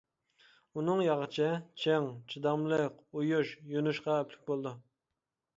ئۇنىڭ ياغىچى چىڭ، چىداملىق، ئويۇش، يونۇشقا ئەپلىك بولىدۇ.